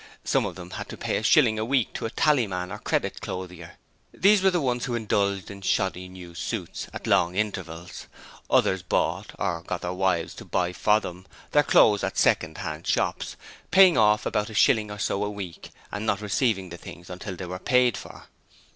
Some of them had to pay a shilling a week to a tallyman or credit clothier. These were the ones who indulged in shoddy new suits at long intervals. Others bought or got their wives to buy for them their clothes at second hand shops, 'paying off' about a shilling or so a week and not receiving the things till they were paid for.